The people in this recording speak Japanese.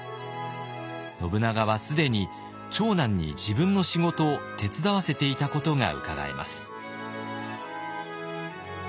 信長は既に長男に自分の仕事を手伝わせていたことがうかがえます。